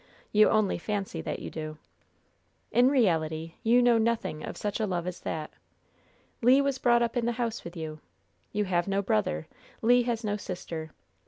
You only fancy that you do. In reality you know nothing of such a love as that. Le was brought up in the house with you. You have no brother. Le has no sister.